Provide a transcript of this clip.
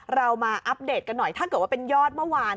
เรามาอัปเดตกันหน่อยถ้าเกิดว่าเป็นยอดเมื่อวาน